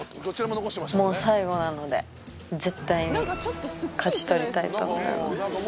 もう最後なので絶対に勝ち取りたいと思います。